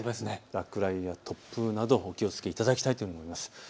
落雷や突風などお気をつけいただきたいと思います。